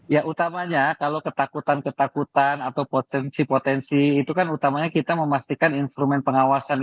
ya utamanya kalau ketakutan ketakutan atau potensi potensi itu kan utamanya kita memastikan instrumen pengawasan